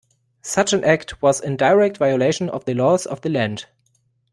Such an act was in direct violation of the laws of the land.